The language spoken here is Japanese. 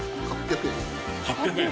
８００円？